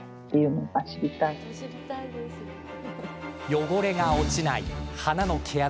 汚れが落ちない鼻の毛穴。